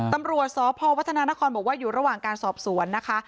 ตำรวจสพวัฒนานครบอกว่าอยู่ระหว่างการสอบสวนนะคะ